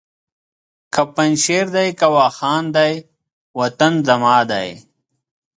که پنجشېر دی که واخان دی وطن زما دی!